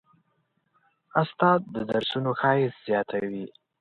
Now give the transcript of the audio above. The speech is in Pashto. استاد د درسونو ښایست زیاتوي.